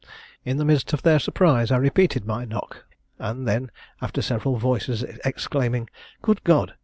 In the midst of their surprise I repeated my knock; and then, after several voices exclaiming 'Good God!